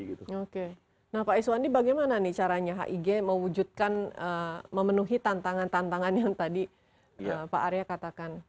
nah pak iswandi bagaimana nih caranya hig mewujudkan memenuhi tantangan tantangan yang tadi pak arya katakan